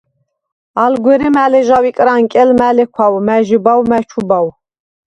ალ გვერე მა̈ ლეჟავ იკრანკელ, მა̈ ლექვავ, მა̈ ჟიბავ ი მა̈ ჩუბავ.